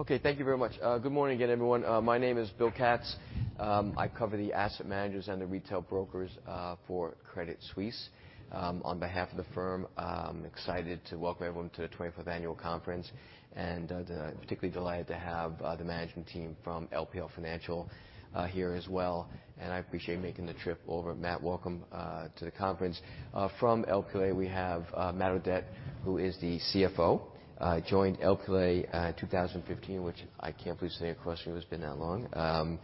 Okay, thank you very much. Good morning again, everyone. My name is Bill Katz. I cover the asset managers and the retail brokers for Credit Suisse. On behalf of the firm, I'm excited to welcome everyone to the 24th annual conference, and particularly delighted to have the management team from LPL Financial here as well. And I appreciate making the trip over. Matt, welcome to the conference. From LPL, we have Matt Audette, who is the CFO, joined LPL in 2015, which I can't believe, sitting across from you it's been that long.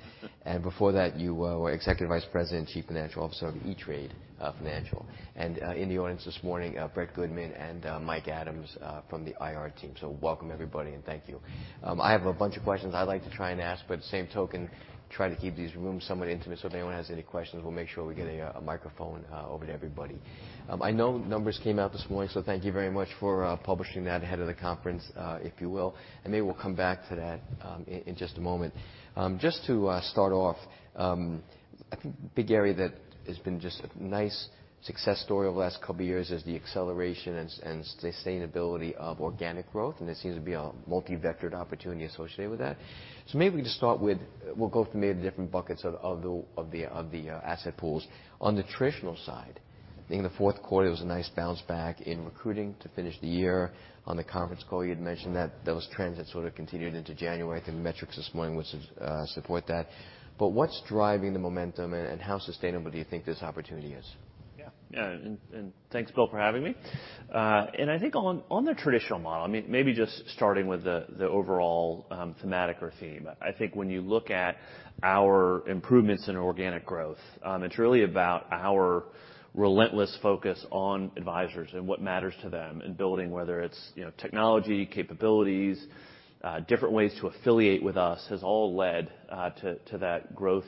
Before that, you were Executive Vice President and Chief Financial Officer of E*TRADE Financial. In the audience this morning, Brett Goodman and Mike Adams from the IR team. Welcome everybody, and thank you. I have a bunch of questions I'd like to try and ask, but at the same token, try to keep these rooms somewhat intimate, so if anyone has any questions, we'll make sure we get a microphone over to everybody. I know numbers came out this morning, so thank you very much for publishing that ahead of the conference, if you will. Maybe we'll come back to that in just a moment. Just to start off, I think a big area that has been just a nice success story over the last couple of years is the acceleration and sustainability of organic growth, and there seems to be a multi-vectored opportunity associated with that. Maybe we can just start with... We'll go through maybe the different buckets of the asset pools. On the traditional side, I think in the fourth quarter, there was a nice bounce-back in recruiting to finish the year. On the conference call, you had mentioned that those trends had sort of continued into January. I think the metrics this morning would support that. What's driving the momentum, and how sustainable do you think this opportunity is? Yeah. Thanks, Bill, for having me. I think on the traditional model, maybe just starting with the overall thematic or theme. I think when you look at our improvements in organic growth, it's really about our relentless focus on advisors and what matters to them, and building whether it's technology, capabilities, different ways to affiliate with us, has all led to that growth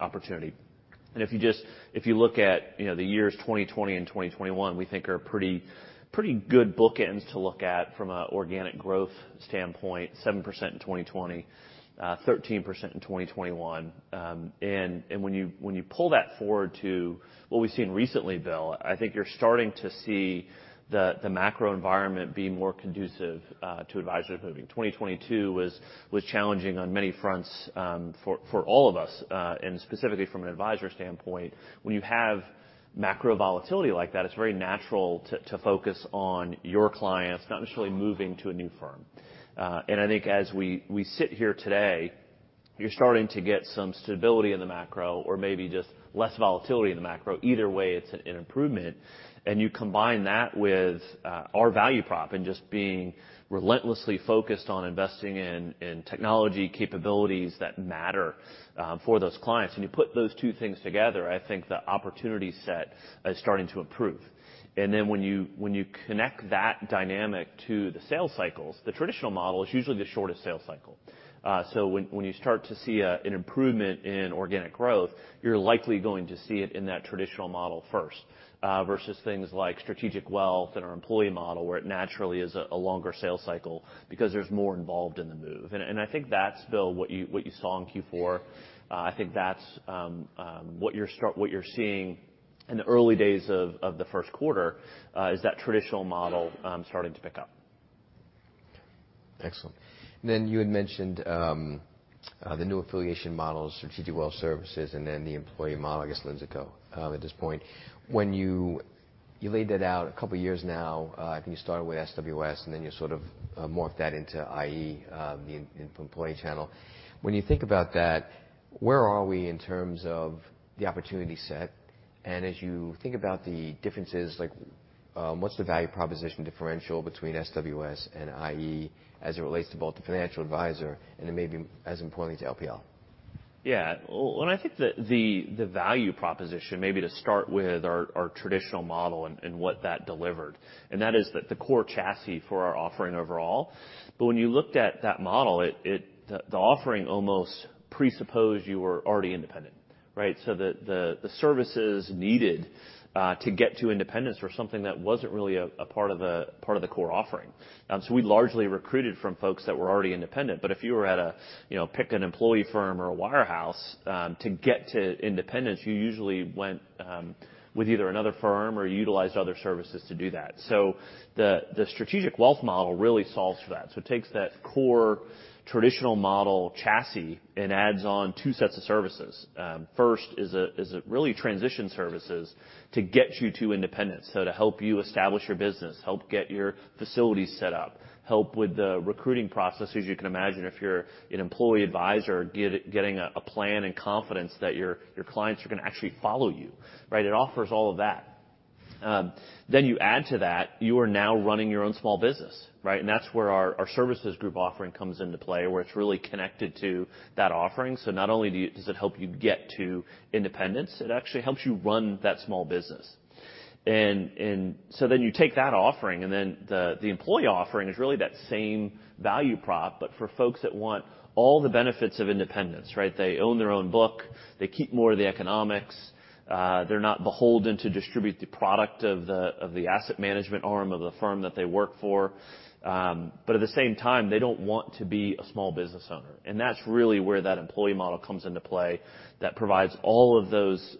opportunity. If you look at the years 2020 and 2021, we think are pretty good bookends to look at from an organic growth standpoint. 7% in 2020, 13% in 2021. When you pull that forward to what we've seen recently, Bill, I think you're starting to see the macro environment being more conducive to advisors moving. 2022 was challenging on many fronts for all of us. Specifically from an advisor standpoint, when you have macro volatility like that, it's very natural to focus on your clients, not necessarily moving to a new firm. I think as we sit here today, you're starting to get some stability in the macro or maybe just less volatility in the macro. Either way, it's an improvement, you combine that with our value prop and just being relentlessly focused on investing in technology capabilities that matter for those clients. When you put those two things together, I think the opportunity set is starting to improve. When you connect that dynamic to the sales cycles, the traditional model is usually the shortest sales cycle. When you start to see an improvement in organic growth, you're likely going to see it in that traditional model first, versus things like Strategic Wealth in our employee model, where it naturally is a longer sales cycle because there's more involved in the move. I think that's, Bill, what you saw in Q4. I think that's what you're seeing in the early days of the first quarter, is that traditional model starting to pick up. Excellent. You had mentioned the new affiliation models, Strategic Wealth Services, and then the employee model, I guess, Linsco, at this point. When you laid that out a couple of years now, I think you started with SWS, and then you sort of morphed that into IE, the employee channel. When you think about that, where are we in terms of the opportunity set? As you think about the differences, like, what's the value proposition differential between SWS and IE as it relates to both the financial advisor and then maybe as importantly to LPL? Well, I think the, the value proposition, maybe to start with our traditional model and what that delivered, and that is the core chassis for our offering overall. When you looked at that model, the offering almost presupposed you were already independent, right? The services needed to get to independence were something that wasn't really a part of the core offering. We largely recruited from folks that were already independent. If you were at a, you know, pick an employee firm or a wirehouse, to get to independence, you usually went with either another firm or utilized other services to do that. The Strategic Wealth model really solves for that. It takes that core traditional model chassis and adds on two sets of services. First is a really transition services to get you to independence. To help you establish your business, help get your facilities set up, help with the recruiting processes. You can imagine if you're an employee advisor, getting a plan and confidence that your clients are gonna actually follow you, right? It offers all of that. You add to that, you are now running your own small business, right? That's where our Services Group offering comes into play, where it's really connected to that offering. Not only does it help you get to independence, it actually helps you run that small business. You take that offering, the employee offering is really that same value prop, but for folks that want all the benefits of independence, right? They own their own book, they keep more of the economics, they're not beholden to distribute the product of the asset management arm of the firm that they work for. At the same time, they don't want to be a small business owner. That's really where that employee model comes into play that provides all of those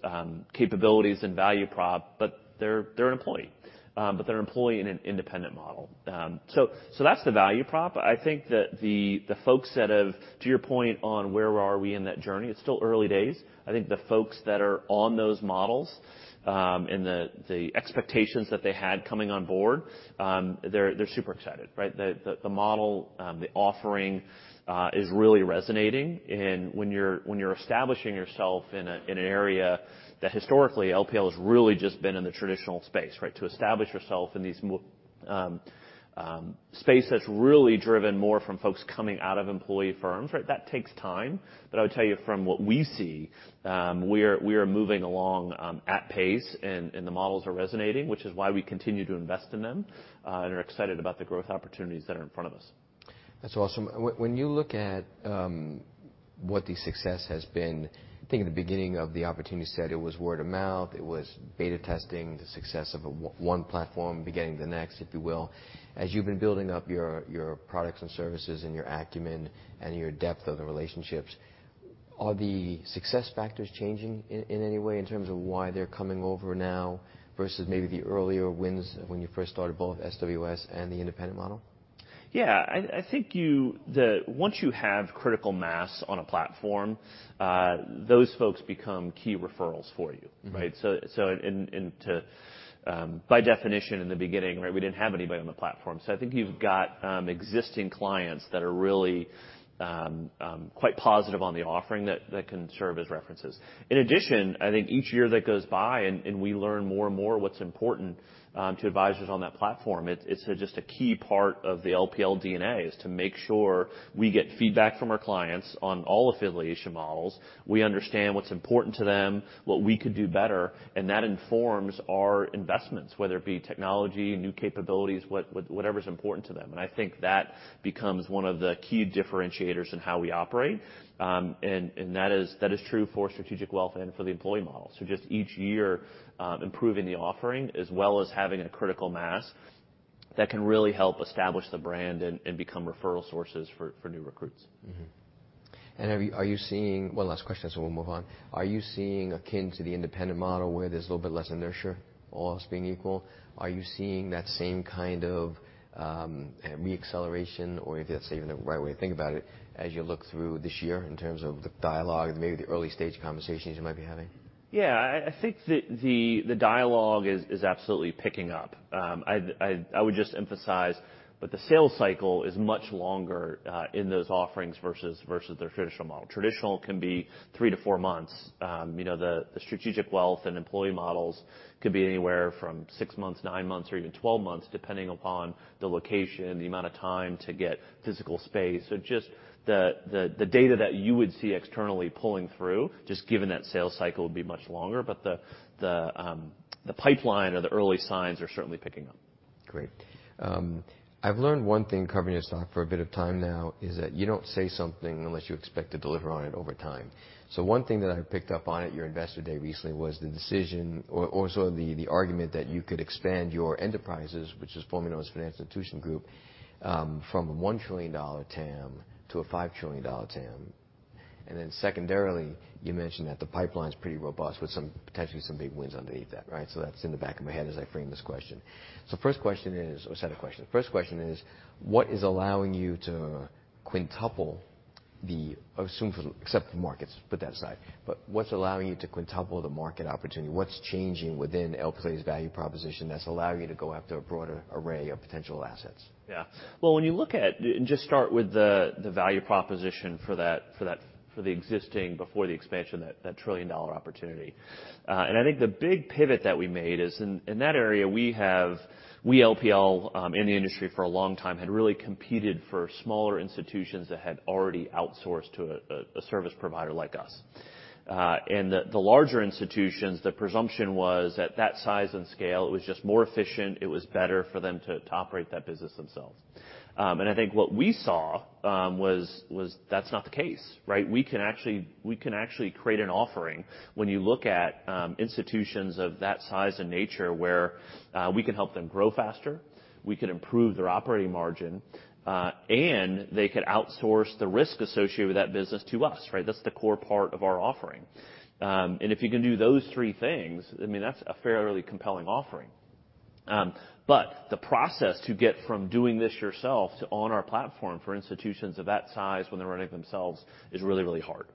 capabilities and value prop, but they're an employee. They're employing an independent model. That's the value prop. I think that the folks that have... To your point on where are we in that journey, it's still early days. I think the folks that are on those models, and the expectations that they had coming on board, they're super excited, right? The model, the offering, is really resonating. When you're establishing yourself in a, in an area that historically LPL has really just been in the traditional space, right? To establish yourself in these space that's really driven more from folks coming out of employee firms, right? That takes time. I would tell you from what we see, we are moving along at pace, and the models are resonating, which is why we continue to invest in them, and are excited about the growth opportunities that are in front of us. That's awesome. When you look at what the success has been, I think in the beginning of the opportunity set, it was word of mouth, it was beta testing, the success of one platform beginning the next, if you will. As you've been building up your products and services and your acumen and your depth of the relationships, are the success factors changing in any way in terms of why they're coming over now versus maybe the earlier wins when you first started both SWS and the independent model? Yeah. I think once you have critical mass on a platform, those folks become key referrals for you, right? Mm-hmm. By definition in the beginning, right, we didn't have anybody on the platform. I think you've got existing clients that are really quite positive on the offering that can serve as references. In addition, I think each year that goes by and we learn more and more what's important to advisors on that platform, it's just a key part of the LPL DNA, is to make sure we get feedback from our clients on all affiliation models. We understand what's important to them, what we could do better, and that informs our investments, whether it be technology, new capabilities, whatever's important to them. I think that becomes one of the key differentiators in how we operate. That is true for Strategic Wealth and for the employee model. Just each year, improving the offering as well as having a critical mass that can really help establish the brand and become referral sources for new recruits. Are you seeing... One last question, and so we'll move on. Are you seeing akin to the independent model where there's a little bit less inertia, all else being equal? Are you seeing that same kind of re-acceleration or if that's even the right way to think about it, as you look through this year in terms of the dialogue and maybe the early stage conversations you might be having? Yeah. I think the dialogue is absolutely picking up. I would just emphasize that the sales cycle is much longer in those offerings versus their traditional model. Traditional can be three to four months. You know, the Strategic Wealth and employee models could be anywhere from six months, nine months, or even 12 months, depending upon the location, the amount of time to get physical space. Just the data that you would see externally pulling through, just given that sales cycle would be much longer. The pipeline or the early signs are certainly picking up. Great. I've learned one thing covering your stock for a bit of time now, is that you don't say something unless you expect to deliver on it over time. One thing that I picked up on at your investor day recently was the decision or so the argument that you could expand your enterprises, which is formerly known as the financial institution group, from $1 trillion TAM to a $5 trillion TAM. Secondarily, you mentioned that the pipeline's pretty robust with potentially some big wins underneath that, right? That's in the back of my head as I frame this question. First question is or set of questions. First question is, what is allowing you to quintuple the I'll assume for the except for the markets, put that aside. What's allowing you to quintuple the market opportunity? What's changing within LPL's value proposition that's allowing you to go after a broader array of potential assets? Well, when you look at. Just start with the value proposition for the existing before the expansion, that $1 trillion opportunity. I think the big pivot that we made is in that area, we LPL in the industry for a long time, had really competed for smaller institutions that had already outsourced to a service provider like us. The larger institutions, the presumption was at that size and scale, it was just more efficient, it was better for them to operate that business themselves. I think what we saw was that's not the case, right? We can actually create an offering when you look at institutions of that size and nature, where we can help them grow faster, we can improve their operating margin, and they could outsource the risk associated with that business to us, right? That's the core part of our offering. If you can do those three things, I mean, that's a fairly compelling offering. The process to get from doing this yourself to on our platform for institutions of that size when they're running it themselves is really, really hard.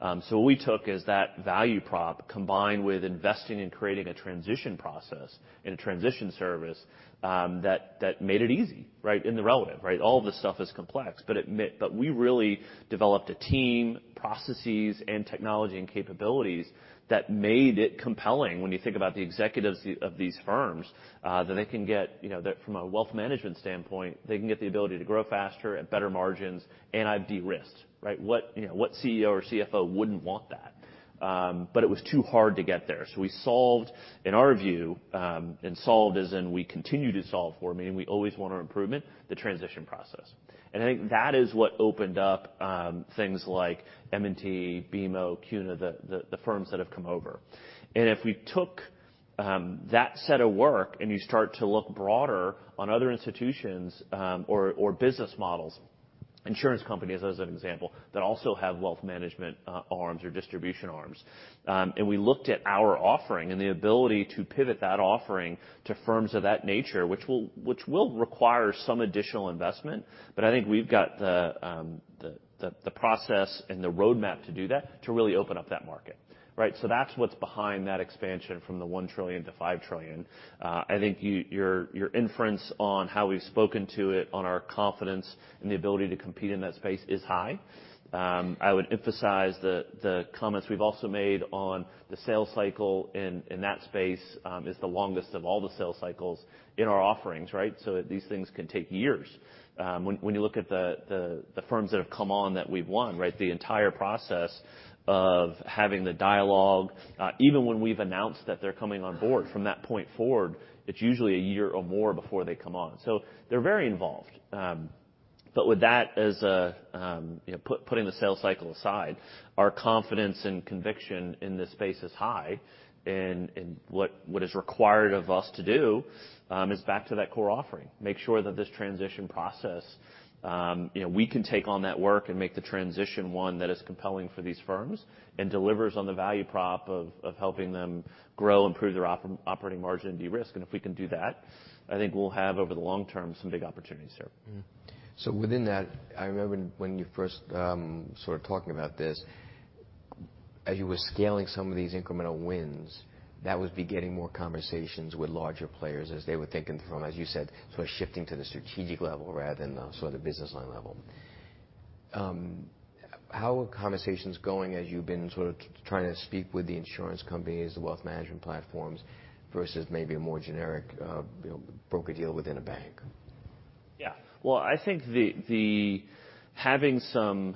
What we took is that value prop, combined with investing in creating a transition process and a transition service that made it easy, right? In the relative, right? All of this stuff is complex, but we really developed a team, processes, and technology and capabilities that made it compelling when you think about the executives of these firms, that they can get, you know, from a wealth management standpoint, they can get the ability to grow faster at better margins, and I've de-risked, right? What, you know, what CEO or CFO wouldn't want that? It was too hard to get there. We solved, in our view, and solved as in we continue to solve for, meaning we always want our improvement, the transition process. I think that is what opened up things like M&T, BMO, CUNA, the firms that have come over. If we took that set of work and you start to look broader on other institutions, or business models, insurance companies, as an example, that also have wealth management arms or distribution arms. We looked at our offering and the ability to pivot that offering to firms of that nature, which will require some additional investment. I think we've got the process and the roadmap to do that to really open up that market. Right? That's what's behind that expansion from the $1 trillion to $5 trillion. I think your inference on how we've spoken to it, on our confidence and the ability to compete in that space is high. I would emphasize the comments we've also made on the sales cycle in that space is the longest of all the sales cycles in our offerings, right. These things can take years. When you look at the firms that have come on that we've won, right. The entire process of having the dialogue, even when we've announced that they're coming on board, from that point forward, it's usually a year or more before they come on. They're very involved. But with that as a, you know, putting the sales cycle aside, our confidence and conviction in this space is high. What is required of us to do is back to that core offering. Make sure that this transition process, you know, we can take on that work and make the transition one that is compelling for these firms and delivers on the value prop of helping them grow, improve their operating margin de-risk. If we can do that, I think we'll have, over the long-term, some big opportunities here. Within that, I remember when you first, sort of talking about this, as you were scaling some of these incremental wins, that would be getting more conversations with larger players as they were thinking from, as you said, sort of shifting to the strategic level rather than the sort of business line level. How are conversations going as you've been sort of trying to speak with the insurance companies, the wealth management platforms, versus maybe a more generic, you know, broker deal within a bank? Yeah. Well, I think the having some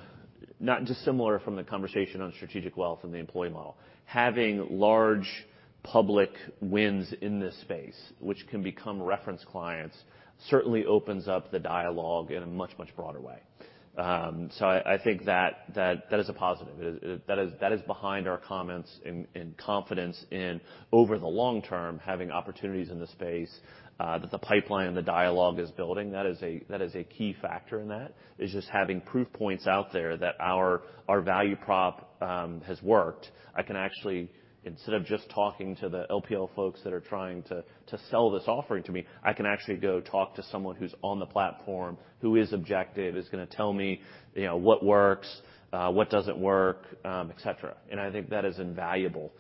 not dissimilar from the conversation on Strategic Wealth and the employee model, having large public wins in this space, which can become reference clients, certainly opens up the dialogue in a much, much broader way. I think that is a positive. That is, that is behind our comments and confidence in over the long-term, having opportunities in the space, that the pipeline and the dialogue is building. That is a, that is a key factor in that, is just having proof points out there that our value prop has worked. I can actually, instead of just talking to the LPL folks that are trying to sell this offering to me, I can actually go talk to someone who's on the platform, who is objective, is gonna tell me, you know, what works, what doesn't work, et cetera. I think that is invaluable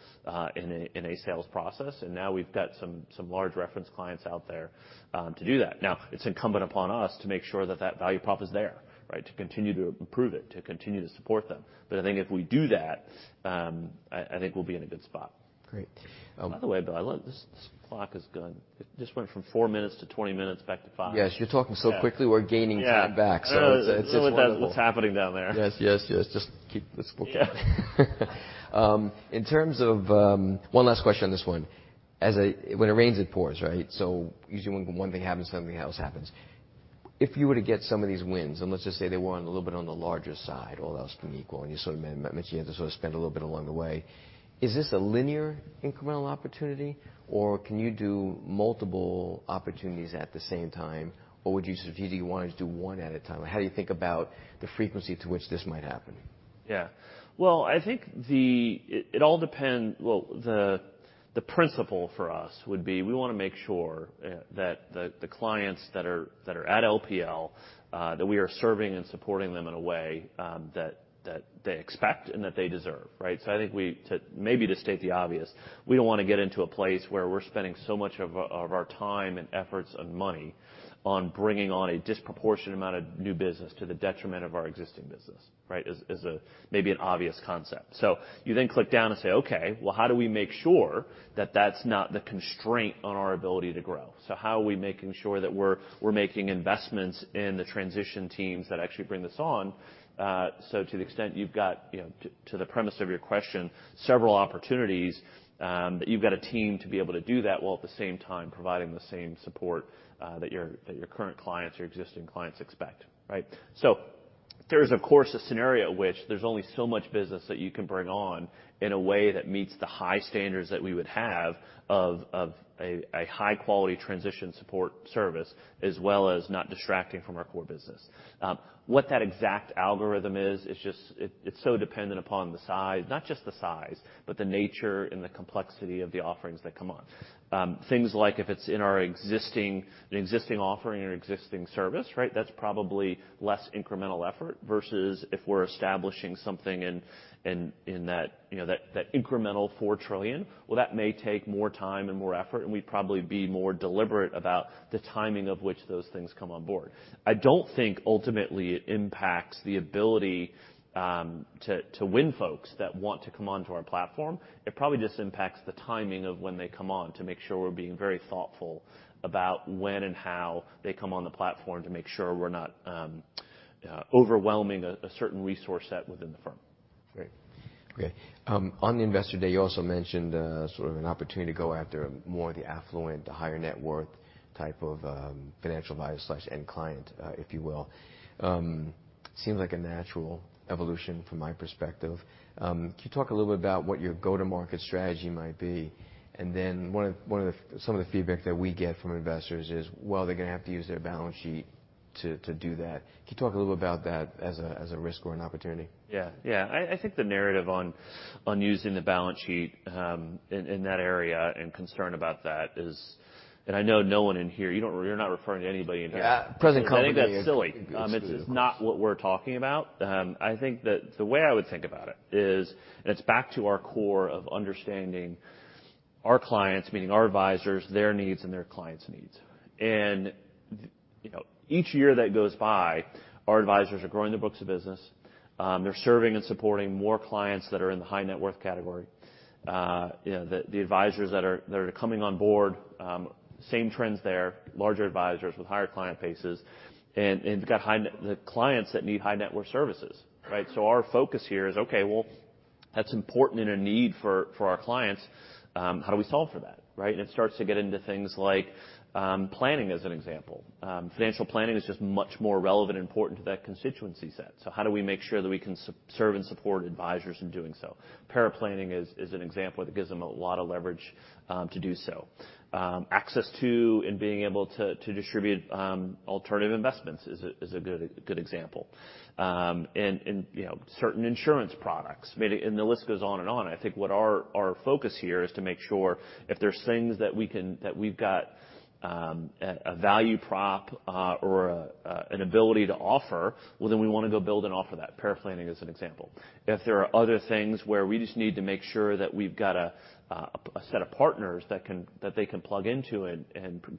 in a sales process. Now we've got some large reference clients out there to do that. Now, it's incumbent upon us to make sure that that value prop is there, right? To continue to improve it, to continue to support them. I think if we do that, I think we'll be in a good spot. Great. By the way, Bill, this clock is going... It just went from four minutes to 20 minutes back to five. Yes. You're talking so quickly, we're gaining time back. Yeah. Yeah. it's wonderful. Don't know what's happening down there. Yes, yes. Let's focus. Yeah. One last question on this one. As when it rains, it pours, right? Usually when one thing happens, something else happens. If you were to get some of these wins, let's just say they were on a little bit on the larger side, all else being equal, you sort of mentioned you had to sort of spend a little bit along the way, is this a linear incremental opportunity? Can you do multiple opportunities at the same time? Would you strategically want to just do one at a time? How do you think about the frequency to which this might happen? Yeah. Well, I think the principle for us would be, we wanna make sure that the clients that are at LPL, that we are serving and supporting them in a way that they expect and that they deserve, right? I think maybe to state the obvious, we don't wanna get into a place where we're spending so much of our time and efforts and money on bringing on a disproportionate amount of new business to the detriment of our existing business, right? As a maybe an obvious concept. You then click down and say, "Okay, well, how do we make sure that that's not the constraint on our ability to grow?" How are we making sure that we're making investments in the transition teams that actually bring this on? To the extent you've got, you know, to the premise of your question, several opportunities, that you've got a team to be able to do that, while at the same time providing the same support that your current clients, your existing clients expect, right? There is, of course, a scenario in which there's only so much business that you can bring on in a way that meets the high standards that we would have of a high-quality transition support service, as well as not distracting from our core business. What that exact algorithm is just... It's so dependent upon the size, not just the size, but the nature and the complexity of the offerings that come on. Things like if it's in our existing offering or an existing service, right? That's probably less incremental effort versus if we're establishing something in that, you know, that incremental $4 trillion. That may take more time and more effort, and we'd probably be more deliberate about the timing of which those things come on board. I don't think ultimately it impacts the ability to win folks that want to come onto our platform. It probably just impacts the timing of when they come on to make sure we're being very thoughtful about when and how they come on the platform to make sure we're not overwhelming a certain resource set within the firm. Great. Great. On the Investor Day, you also mentioned, sort of an opportunity to go after more of the affluent, the higher net worth type of, financial advisor/end client, if you will. Can you talk a little bit about what your go-to-market strategy might be? Then some of the feedback that we get from investors is, well, they're gonna have to use their balance sheet. To do that. Can you talk a little about that as a, as a risk or an opportunity? Yeah. Yeah. I think the narrative on using the balance sheet, in that area and concern about that is. I know no one in here, you're not referring to anybody in here. Yeah. Present company- I think that's silly. It's not what we're talking about. I think that the way I would think about it is, it's back to our core of understanding our clients, meaning our advisors, their needs, and their clients' needs. You know, each year that goes by, our advisors are growing their books of business, they're serving and supporting more clients that are in the high net worth category. You know, the advisors that are coming on board, same trends there, larger advisors with higher client bases. We've got the clients that need high net worth services, right? Our focus here is, okay, well, that's important and a need for our clients, how do we solve for that, right? It starts to get into things like planning, as an example. Financial planning is just much more relevant and important to that constituency set. How do we make sure that we can serve and support advisors in doing so? Paraplanning is an example that gives them a lot of leverage to do so. Access to and being able to distribute alternative investments is a good example. You know, certain insurance products. I mean, the list goes on and on. I think what our focus here is to make sure if there's things that we can... that we've got a value prop or an ability to offer, well, then we wanna go build and offer that. Paraplanning is an example. If there are other things where we just need to make sure that we've got a set of partners that they can plug into and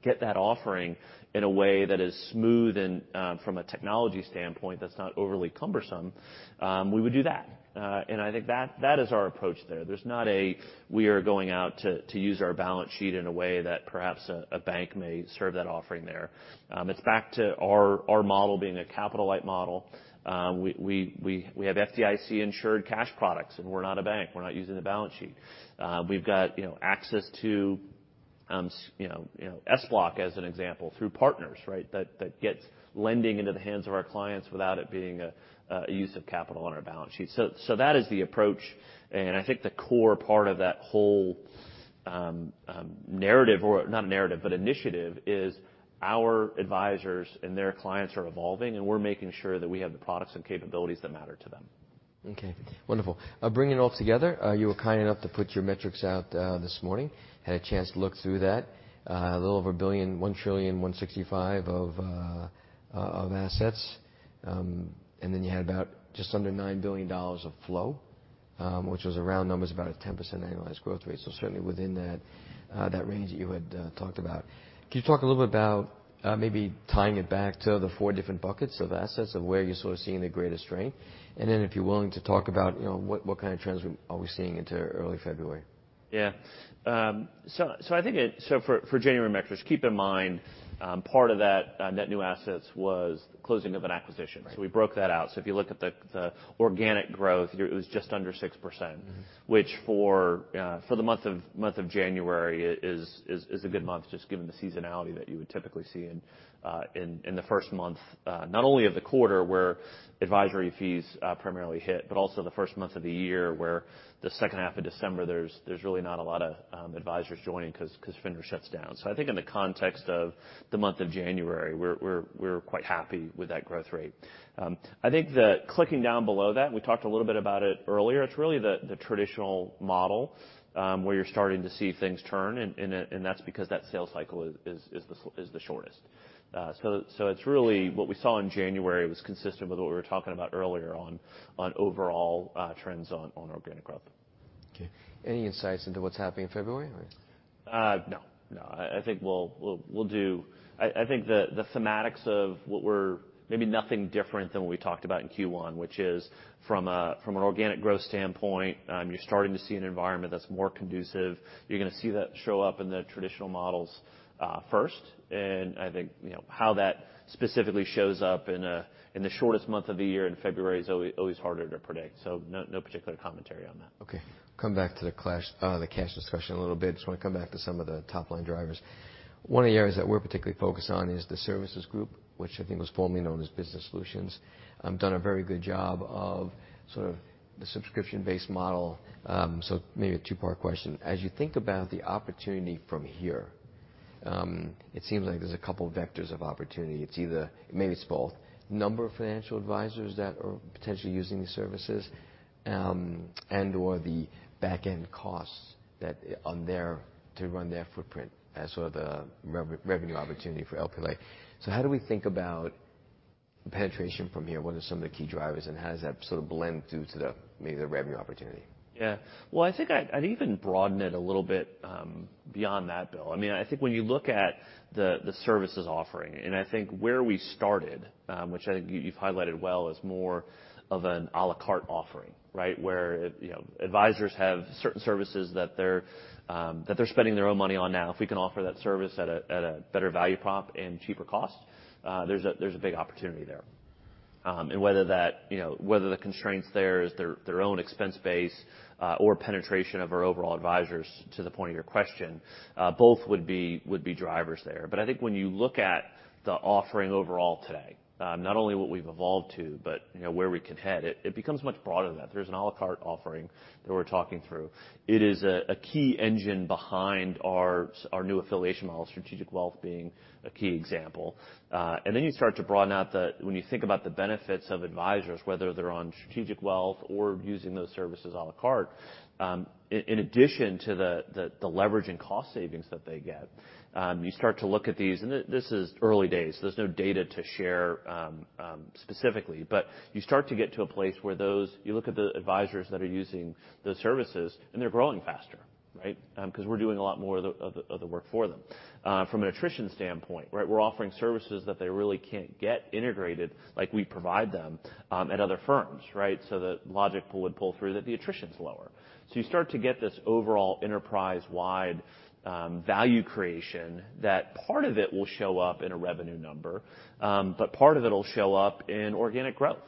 get that offering in a way that is smooth and, from a technology standpoint, that's not overly cumbersome, we would do that. I think that is our approach there. There's not a, we are going out to use our balance sheet in a way that perhaps a bank may serve that offering there. It's back to our model being a capital-light model. We have FDIC-insured cash products, and we're not a bank. We're not using the balance sheet. We've got, you know, access to, you know, SBLOC, as an example, through partners, right? That gets lending into the hands of our clients without it being a use of capital on our balance sheet. That is the approach. I think the core part of that whole narrative or, not narrative, but initiative is our advisors and their clients are evolving, and we're making sure that we have the products and capabilities that matter to them. Okay. Wonderful. Bringing it all together, you were kind enough to put your metrics out this morning. Had a chance to look through that. A little over $1.165 trillion of assets. You had about just under $9 billion of flow, which was a round number, it's about a 10% annualized growth rate. Certainly, within that range that you had talked about. Can you talk a little bit about maybe tying it back to the four different buckets of assets of where you're sort of seeing the greatest strength? If you're willing to talk about, you know, what kind of trends we are seeing into early February? Yeah. I think for January metrics, keep in mind, part of that net new assets was closing of an acquisition. Right. We broke that out. If you look at the organic growth, it was just under 6%. Mm-hmm. Which for the month of January is a good month just given the seasonality that you would typically see in the first month, not only of the quarter, where advisory fees primarily hit, but also the first month of the year where the second half of December, there's really not a lot of advisors joining 'cause FINRA shuts down. I think in the context of the month of January, we're quite happy with that growth rate. I think the Clicking down below that, we talked a little bit about it earlier, it's really the traditional model, where you're starting to see things turn and that's because that sales cycle is the shortest. It's really what we saw in January was consistent with what we were talking about earlier on overall trends on organic growth. Okay. Any insights into what's happening in February or...? No, no. I think we'll do. I think the thematics of what we're. Maybe nothing different than what we talked about in Q1, which is from an organic growth standpoint, you're starting to see an environment that's more conducive. You're gonna see that show up in the traditional models first. I think, you know, how that specifically shows up in the shortest month of the year in February is always harder to predict. No, no particular commentary on that. Okay. Come back to the cash, the cash discussion a little bit. Just wanna come back to some of the top line drivers. One of the areas that we're particularly focused on is the services group, which I think was formerly known as Business Solutions. Done a very good job of sort of the subscription-based model. So maybe a two-part question. As you think about the opportunity from here, it seems like there's a couple of vectors of opportunity. It's either, maybe it's both, number of financial advisors that are potentially using these services, and/or the back-end costs that to run their footprint as sort of the revenue opportunity for LPL. How do we think about penetration from here? What are some of the key drivers, and how does that sort of blend due to the, maybe the revenue opportunity? Yeah. Well, I think I'd even broaden it a little bit beyond that, Bill. I mean, I think when you look at the services offering, and I think where we started, which I think you've highlighted well, is more of an à la carte offering, right? Where, you know, advisors have certain services that they're, that they're spending their own money on now. If we can offer that service at a, at a better value prop and cheaper cost, there's a, there's a big opportunity there. Whether that, you know, whether the constraints there is their own expense base, or penetration of our overall advisors to the point of your question, both would be drivers there. I think when you look at the offering overall today, not only what we've evolved to, but, you know, where we can head, it becomes much broader than that. There's an à la carte offering that we're talking through. It is a key engine behind our new affiliation model, Strategic Wealth being a key example. You start to broaden out the... when you think about the benefits of advisors, whether they're on Strategic Wealth or using those services à la carte, in addition to the leverage and cost savings that they get, you start to look at these... This is early days, there's no data to share, specifically. You start to get to a place where those... you look at the advisors that are using those services, and they're growing faster, right? 'Cause we're doing a lot more of the work for them. From an attrition standpoint, right, we're offering services that they really can't get integrated like we provide them at other firms, right? The logic pull would pull through that the attrition's lower. You start to get this overall enterprise-wide value creation that part of it will show up in a revenue number, but part of it'll show up in organic growth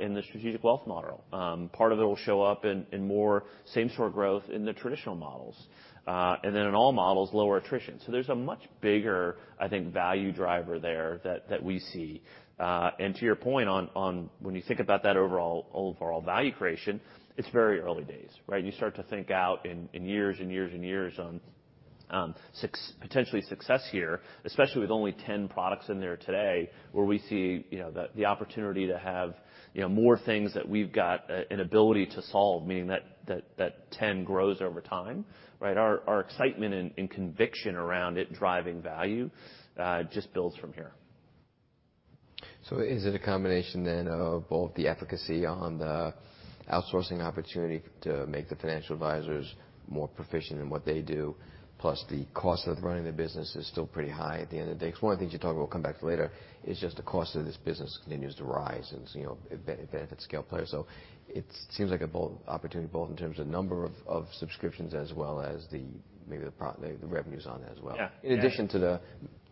in the Strategic Wealth model. Part of it will show up in more same store growth in the traditional models. In all models, lower attrition. There's a much bigger, I think, value driver there that we see. To your point on when you think about that overall value creation, it's very early days, right? You start to think out in years and years and years on, potentially success here, especially with only 10 products in there today, where we see, you know, the opportunity to have, you know, more things that we've got an ability to solve, meaning that, that 10 grows over time, right? Our excitement and conviction around it driving value, just builds from here. Is it a combination then of both the efficacy on the outsourcing opportunity to make the financial advisors more proficient in what they do, plus the cost of running the business is still pretty high at the end of the day? One of the things you talk about we'll come back to later, is just the cost of this business continues to rise and you know, benefit scale players. It seems like a bold opportunity both in terms of number of subscriptions as well as maybe the revenues on it as well. Yeah. Yeah. In addition to the,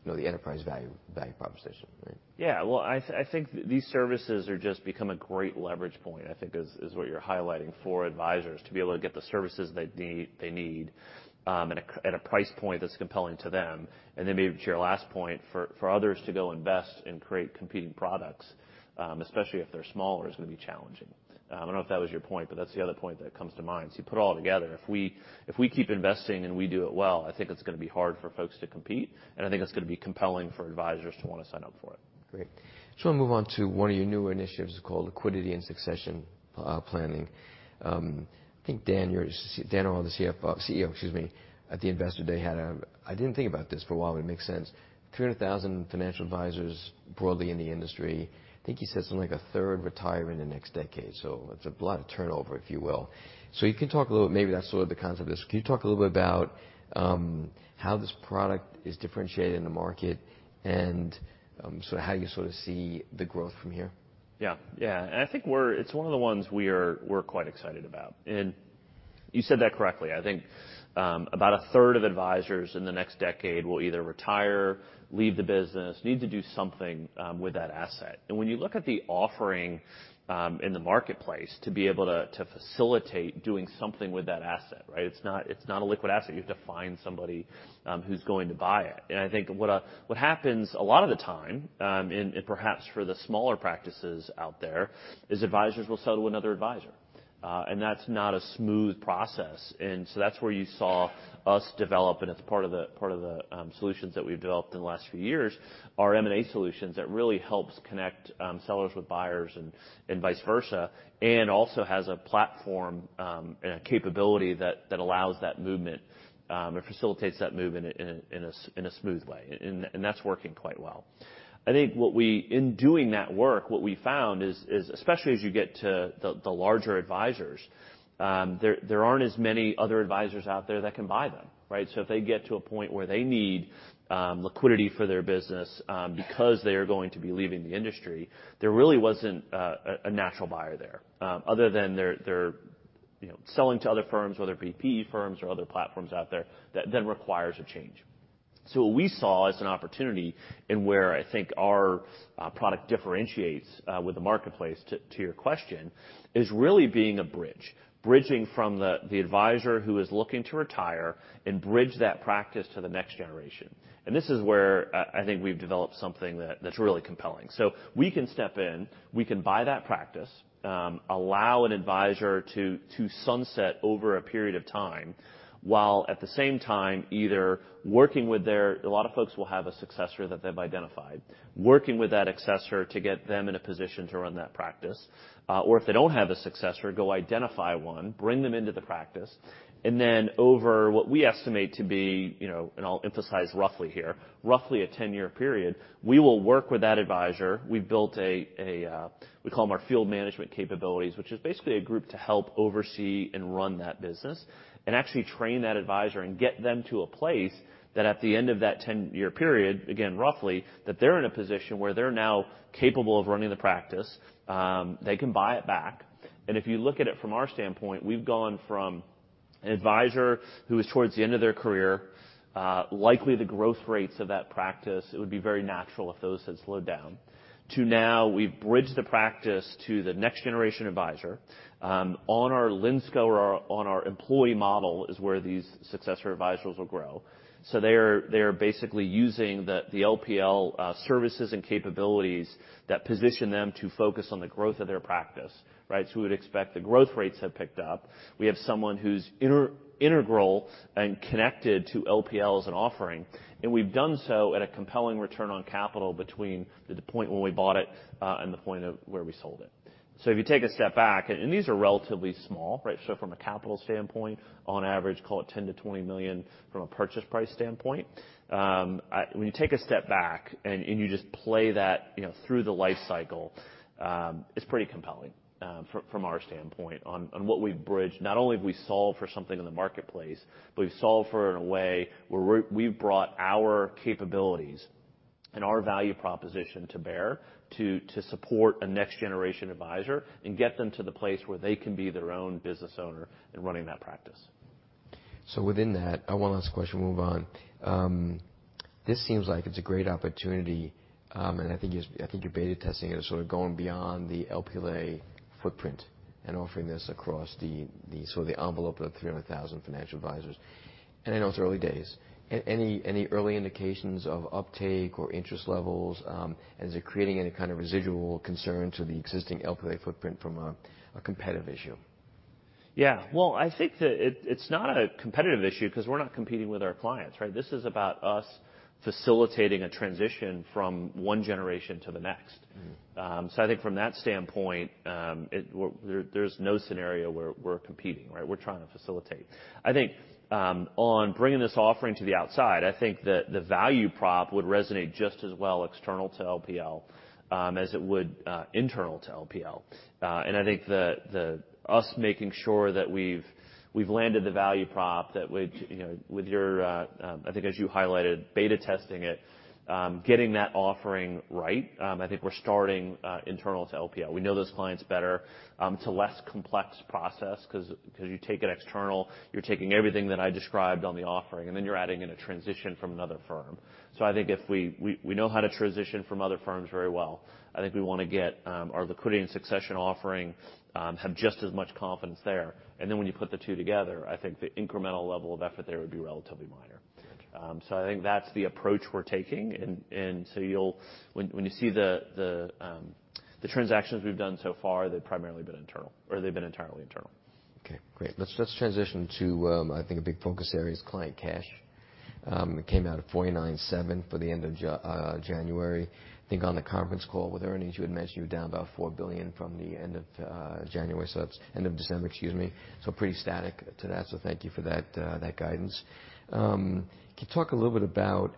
you know, the enterprise value proposition, right? Well, I think these services are just become a great leverage point, I think is what you're highlighting for advisors to be able to get the services they need at a price point that's compelling to them. Maybe to your last point, for others to go invest and create competing products, especially if they're smaller, is gonna be challenging. I don't know if that was your point, but that's the other point that comes to mind. You put it all together, if we keep investing and we do it well, I think it's gonna be hard for folks to compete, and I think it's gonna be compelling for advisors to wanna sign up for it. Great. Just wanna move on to one of your newer initiatives called Liquidity & Succession Planning. I think Dan, your Dan Arnold, the CEO, excuse me, at the investor day had. I didn't think about this for a while, but it makes sense. 300,000 financial advisors broadly in the industry, I think he said something like a third retire in the next decade. It's a lot of turnover, if you will. You can talk a little. Maybe that's sort of the concept of this. Can you talk a little bit about how this product is differentiated in the market, and sort of how you sort of see the growth from here? Yeah. Yeah. I think it's one of the ones we're quite excited about. You said that correctly. I think, about a third of advisors in the next decade will either retire, leave the business, need to do something with that asset. When you look at the offering in the marketplace to be able to facilitate doing something with that asset, right? It's not a liquid asset. You have to find somebody who's going to buy it. I think what happens a lot of the time, and perhaps for the smaller practices out there, is advisors will sell to another advisor. That's not a smooth process. That's where you saw us develop, and it's part of the solutions that we've developed in the last few years, our M&A Solutions that really helps connect sellers with buyers and vice versa, and also has a platform and a capability that allows that movement or facilitates that movement in a smooth way. That's working quite well. I think what we in doing that work, what we found is, especially as you get to the larger advisors, there aren't as many other advisors out there that can buy them, right? If they get to a point where they need liquidity for their business, because they are going to be leaving the industry, there really wasn't a natural buyer there. Other than they're, you know, selling to other firms, whether it be PE firms or other platforms out there that then requires a change. What we saw as an opportunity, and where I think our product differentiates with the marketplace to your question, is really being a bridge. Bridging from the advisor who is looking to retire and bridge that practice to the next-generation. This is where I think we've developed something that's really compelling. We can step in, we can buy that practice, allow an advisor to sunset over a period of time, while at the same time either working with their. A lot of folks will have a successor that they've identified. Working with that successor to get them in a position to run that practice. Or if they don't have a successor, go identify one, bring them into the practice, over what we estimate to be, you know, and I'll emphasize roughly here, roughly a 10-year period, we will work with that advisor. We've built a, we call them our field management capabilities, which is basically a group to help oversee and run that business, and actually train that advisor and get them to a place that at the end of that 10-year period, again, roughly, that they're in a position where they're now capable of running the practice. They can buy it back. If you look at it from our standpoint, we've gone from. An advisor who is towards the end of their career, likely the growth rates of that practice, it would be very natural if those had slowed down to now we've bridged the practice to the next generation advisor, on our Linsco or on our employee model is where these successor advisors will grow. They are basically using the LPL services and capabilities that position them to focus on the growth of their practice, right? We would expect the growth rates have picked up. We have someone who's integral and connected to LPL as an offering, and we've done so at a compelling return on capital between the point when we bought it and the point of where we sold it. If you take a step back, and these are relatively small, right? From a capital standpoint, on average, call it $10 million-$20 million from a purchase price standpoint. When you take a step back and you just play that, you know, through the life cycle, it's pretty compelling from our standpoint on what we've bridged. Not only have we solved for something in the marketplace, but we've solved for in a way where we've brought our capabilities and our value proposition to bear to support a next-generation advisor and get them to the place where they can be their own business owner in running that practice. Within that, one last question, we'll move on. This seems like it's a great opportunity, and I think you're beta testing it as sort of going beyond the LPL footprint and offering this across the sort of the envelope of 300,000 financial advisors. I know it's early days. Any early indications of uptake or interest levels, and is it creating any kind of residual concern to the existing LPL footprint from a competitive issue? Yeah. Well, I think that it's not a competitive issue because we're not competing with our clients, right? This is about us facilitating a transition from one generation to the next. Mm-hmm. I think from that standpoint, there's no scenario where we're competing, right? We're trying to facilitate. I think on bringing this offering to the outside, I think that the value prop would resonate just as well external to LPL as it would internal to LPL. I think that us making sure that we've landed the value prop that would, you know, with your, I think as you highlighted, beta testing it, getting that offering right, I think we're starting internal to LPL. We know those clients better, it's a less complex process because you take it external, you're taking everything that I described on the offering, you're adding in a transition from another firm. I think if we know how to transition from other firms very well, I think we want to get our Liquidity & Succession offering have just as much confidence there. Then when you put the two together, I think the incremental level of effort there would be relatively minor. Gotcha. I think that's the approach we're taking. When you see the transactions we've done so far, they've primarily been internal, or they've been entirely internal. Okay, great. Let's transition to, I think a big focus area is client cash. It came out at $49.7 billion for the end of January. I think on the conference call with earnings, you had mentioned you were down about $4 billion from the end of January, End of December, excuse me. Pretty static to that. Thank you for that guidance. Can you talk a little bit about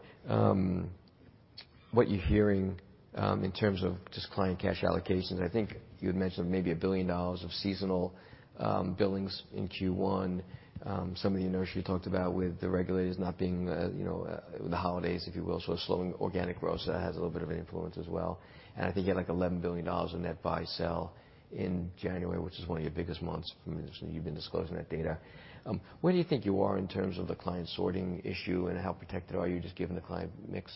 what you're hearing in terms of just client cash allocations? I think you had mentioned maybe $1 billion of seasonal billings in Q1. Some of the initiatives you talked about with the regulators not being, you know, the holidays, if you will, slowing organic growth, that has a little bit of an influence as well. I think you had like $11 billion in net buy-sell in January, which is one of your biggest months from this, you've been disclosing that data. Where do you think you are in terms of the client sorting issue, and how protected are you just given the client mix?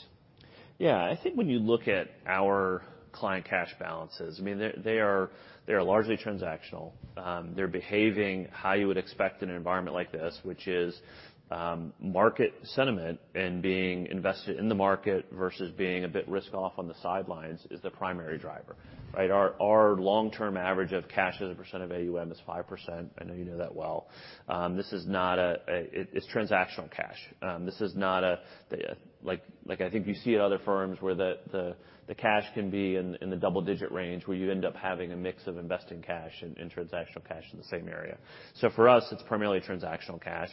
Yeah. I think when you look at our client cash balances, I mean, they are largely transactional. They're behaving how you would expect in an environment like this, which is, market sentiment and being invested in the market versus being a bit risk off on the sidelines is the primary driver, right? Our long-term average of cash as a percent of AUM is 5%. I know you know that well. This is not a. It's transactional cash. This is not a, like I think you see at other firms, where the cash can be in the double-digit range, where you end up having a mix of investing cash and transactional cash in the same area. For us, it's primarily transactional cash.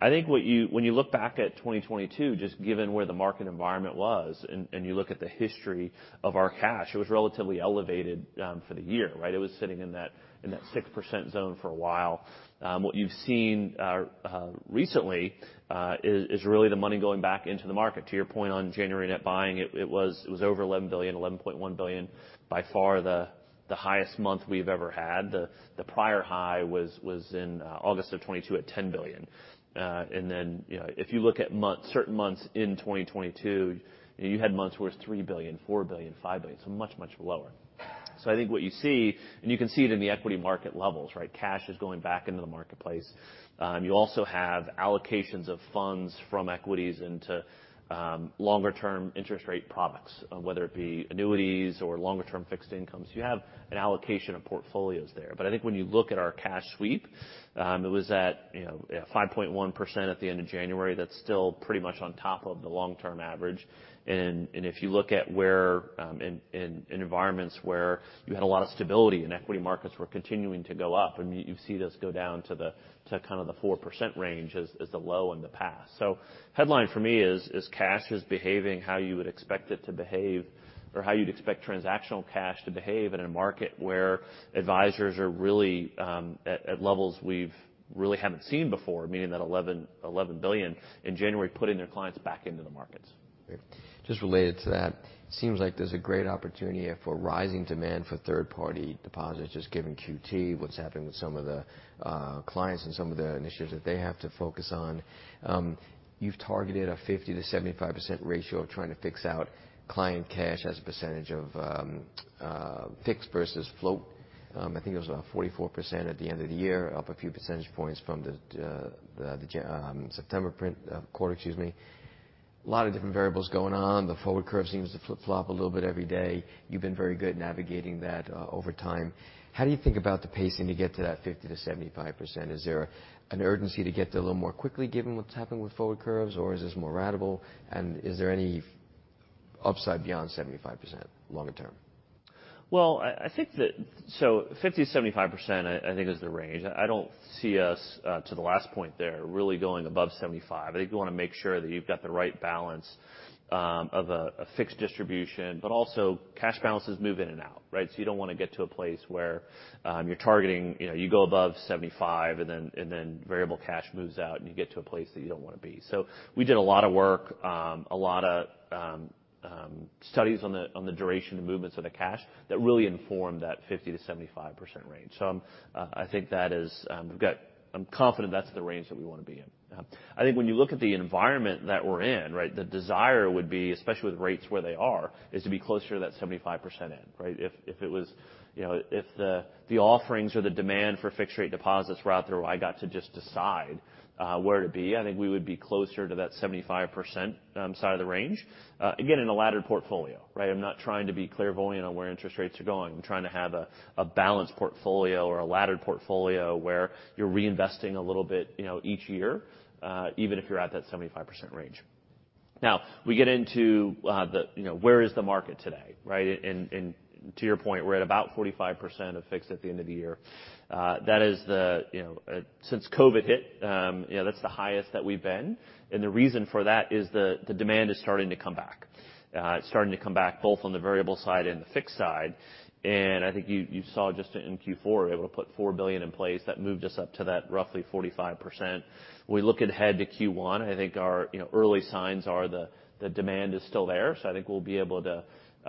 I think what you... When you look back at 2022, just given where the market environment was, and you look at the history of our cash, it was relatively elevated for the year, right? It was sitting in that, in that 6% zone for a while. What you've seen recently is really the money going back into the market. To your point on January net buying, it was over $11 billion, $11.1 billion, by far the highest month we've ever had. The prior high was in August of 2022 at $10 billion. Then, you know, if you look at certain months in 2022, you had months where it's $3 billion, $4 billion, $5 billion, so much lower. I think what you see, and you can see it in the equity market levels, right? Cash is going back into the marketplace. You also have allocations of funds from equities into longer-term interest rate products, whether it be annuities or longer-term fixed incomes. You have an allocation of portfolios there. I think when you look at our cash sweep, it was at, you know, at 5.1% at the end of January. That's still pretty much on top of the long-term average. If you look at where in environments where you had a lot of stability and equity markets were continuing to go up, and you see this go down to kind of the 4% range as the low in the past. Headline for me is cash is behaving how you would expect it to behave or how you'd expect transactional cash to behave in a market where advisors are really at levels we've really haven't seen before, meaning that $11 billion in January, putting their clients back into the markets. Great. Just related to that, seems like there's a great opportunity for rising demand for third-party deposits, just given QT, what's happening with some of the clients and some of the initiatives that they have to focus on. You've targeted a 50%-75% ratio of trying to fix out client cash as a percentage of fixed versus float. I think it was about 44% at the end of the year, up a few percentage points from the September print. quarter, excuse me. A lot of different variables going on. The forward curve seems to flip-flop a little bit every day. You've been very good navigating that over time. How do you think about the pacing to get to that 50%-75%? Is there an urgency to get there a little more quickly given what's happening with forward curves or is this more ratable? Is there any upside beyond 75% longer term? I think that 50%-75% I think is the range. I don't see us to the last point there, really going above 75. I think you wanna make sure that you've got the right balance of a fixed distribution, but also cash balances move in and out, right? You don't wanna get to a place where you're targeting, you know, you go above 75, and then variable cash moves out and you get to a place that you don't wanna be. We did a lot of work, a lot of studies on the duration and movements of the cash that really informed that 50%-75% range. I think that is, I'm confident that's the range that we wanna be in. I think when you look at the environment that we're in, right? The desire would be, especially with rates where they are, is to be closer to that 75% end, right? If it was, you know, if the offerings or the demand for fixed rate deposits were out there where I got to just decide where to be, I think we would be closer to that 75% side of the range. Again, in a laddered portfolio, right? I'm not trying to be clairvoyant on where interest rates are going. I'm trying to have a balanced portfolio or a laddered portfolio where you're reinvesting a little bit, you know, each year, even if you're at that 75% range. Now we get into the, you know, where is the market today, right? To your point, we're at about 45% of fixed at the end of the year. That is the, you know, since COVID hit, you know, that's the highest that we've been. The reason for that is the demand is starting to come back. It's starting to come back both on the variable side and the fixed side. I think you saw just in Q4 we were able to put $4 billion in place that moved us up to that roughly 45%. We look ahead to Q1, I think our, you know, early signs are the demand is still there, so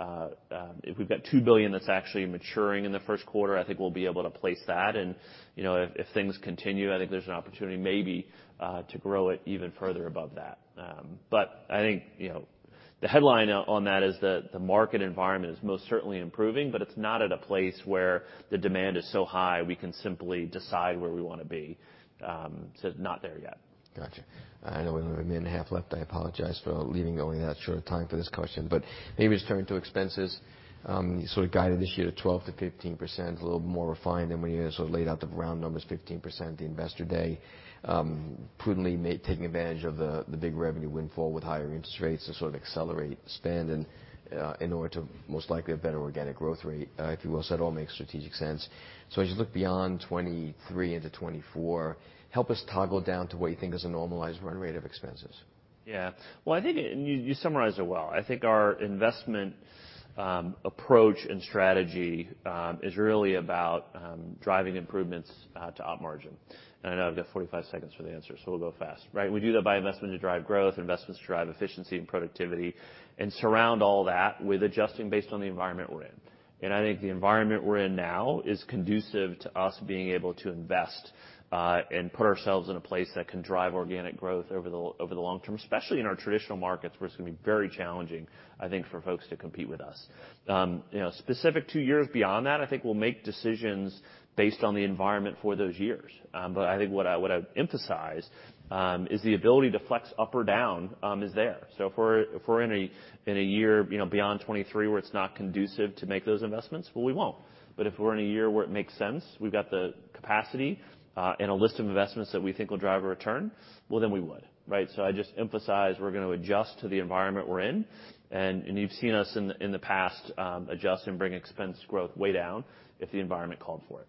I think we'll be able to, if we've got $2 billion that's actually maturing in the first quarter, I think we'll be able to place that. You know, if things continue, I think there's an opportunity maybe to grow it even further above that. I think, you know, the headline on that is the market environment is most certainly improving, but it's not at a place where the demand is so high we can simply decide where we want to be. Not there yet. Gotcha. I know we only have a minute and a half left. I apologize for leaving only that short time for this question, but maybe just turning to expenses. You sort of guided this year 12%-15%. A little more refined than when you sort of laid out the round numbers 15% at the Investor Day. Prudently taking advantage of the big revenue windfall with higher interest rates to sort of accelerate spend and in order to most likely have better organic growth rate, if you will. It all makes strategic sense. As you look beyond 2023 into 2024, help us toggle down to what you think is a normalized run rate of expenses. Yeah. Well, I think and you summarized it well. I think our investment approach and strategy is really about driving improvements to op margin. I know I've got 45 seconds for the answer, so we'll go fast, right? We do that by investment to drive growth, investments to drive efficiency and productivity, and surround all that with adjusting based on the environment we're in. I think the environment we're in now is conducive to us being able to invest and put ourselves in a place that can drive organic growth over the long-term, especially in our traditional markets where it's gonna be very challenging, I think, for folks to compete with us. You know, specific to years beyond that, I think we'll make decisions based on the environment for those years. I think what I, what I'd emphasize, is the ability to flex up or down, is there. If we're, if we're in a, in a year, you know, beyond 2023, where it's not conducive to make those investments, well, we won't. If we're in a year where it makes sense, we've got the capacity, and a list of investments that we think will drive a return, well, then we would, right? I just emphasize we're gonna adjust to the environment we're in, and you've seen us in the past, adjust and bring expense growth way down if the environment called for it.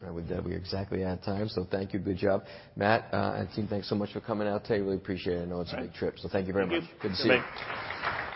Great. With that, we are exactly at time. Thank you. Good job. Matt and team, thanks so much for coming out today. Really appreciate it. I know it's a big trip. All right. Thank you very much. Thank you. Good to see you. Thanks.